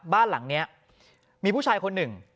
บ้านหลังนี้มีผู้ชายคนหนึ่ง